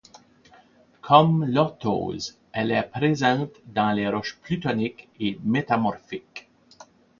Comme l'orthose, elle est présente dans les roches plutoniques et métamorphiques.